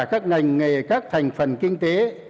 các ngành nghề các thành phần kinh tế